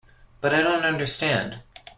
But I don't understand.